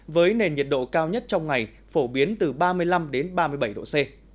với nền nhiệt độ cao nhất trong ngày phổ biến từ ba mươi năm đến ba mươi bảy độ c